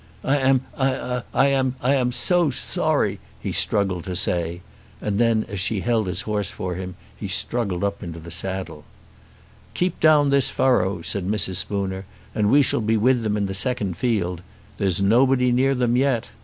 "I am, I am, I am so sorry," he struggled to say, and then as she held his horse for him he struggled up into the saddle. "Keep down this furrow," said Mrs. Spooner, "and we shall be with them in the second field. There's nobody near them yet."